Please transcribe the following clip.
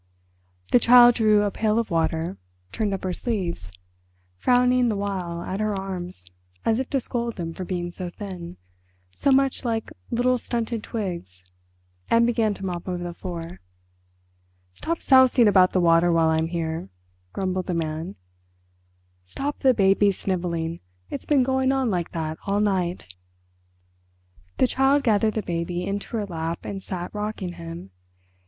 The Child drew a pail of water, turned up her sleeves, frowning the while at her arms, as if to scold them for being so thin, so much like little stunted twigs, and began to mop over the floor. "Stop sousing about the water while I'm here," grumbled the Man. "Stop the baby snivelling; it's been going on like that all night." The Child gathered the baby into her lap and sat rocking him.